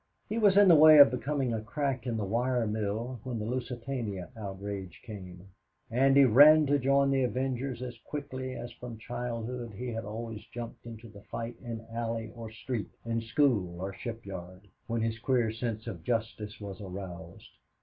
He was in the way of becoming a crack in the wire mill when the Lusitania outrage came, and he ran to join the avengers as quickly as from childhood he had always jumped into any fight in alley or street, in school or shipyard, when his queer sense of justice was aroused.